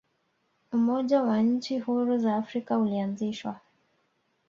umoja wa nchi huru za afrika ulianzishwa